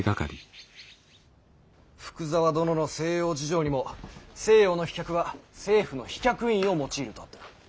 福沢殿の「西洋事情」にも西洋の飛脚は政府の飛脚印を用いるとあった。